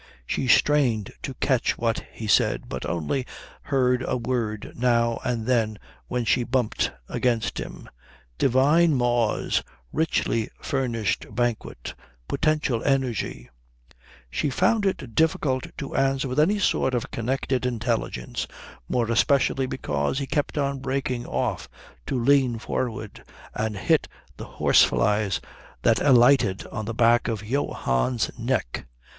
She strained to catch what he said, but only heard a word now and then when she bumped against him "divine maws richly furnished banquet potential energy " She found it difficult to answer with any sort of connected intelligence, more especially because he kept on breaking off to lean forward and hit the horse flies that alighted on the back of Johann's neck.